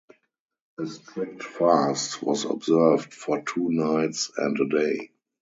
A strict fast was observed for two nights and a day.